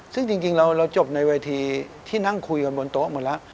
ซึ่งจริงเราจบในเวทีที่นั่งคุยกันบนโต๊ะหมดแล้ว